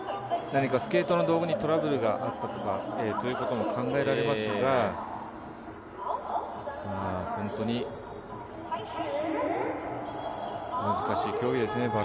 何かスケートの道具にトラブルがあったということも考えられますが、本当に難しい競技ですね。